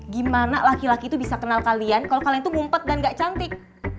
gimana laki laki itu bisa kenal kalian kalau kalian itu ngumpet dan gak cantik